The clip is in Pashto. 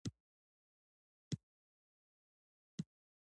ایا پریکړه مو وکړه؟